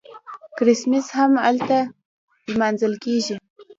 کریسمس هم هلته لمانځل کیږي.